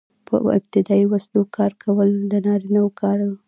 په ابتدايي وسلو ښکار کول د نارینه وو کار و.